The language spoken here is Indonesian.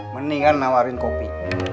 mendingan nawarin kopi